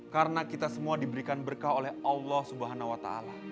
karena kita semua diberikan berkah oleh allah swt